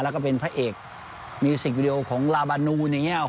แล้วก็เป็นพระเอกมีสิควีดีโอของลาบานู